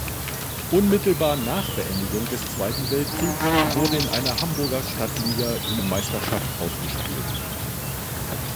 Unmittelbar nach Beendigung des Zweiten Weltkriegs wurde in einer Hamburger Stadtliga die Meisterschaft ausgespielt.